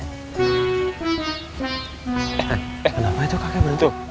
kenapa itu kakek berhenti